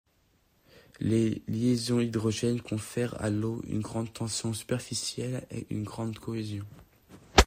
Les liaisons hydrogène confèrent à l’eau une grande tension superficielle et une grande cohésion.